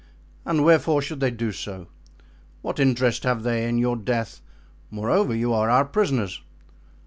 And wherefore should they do so? What interest have they in your death? Moreover, you are our prisoners."